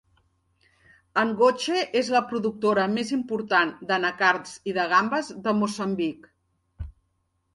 Angoche és la productora més important d'anacards i de gambes de Moçambic.